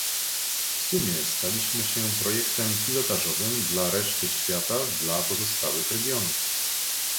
W sumie staliśmy się projektem pilotażowym dla reszty świata, dla pozostałych regionów